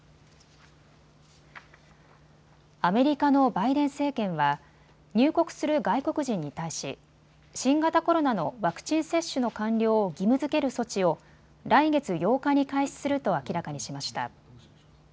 アメリカのバイデン政権は入国する外国人に対し、新型コロナのワクチン接種の完了を義務づける措置を来月８日に開始すると明らかにしました。